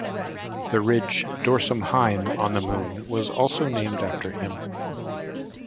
The ridge Dorsum Heim on the Moon was also named after him.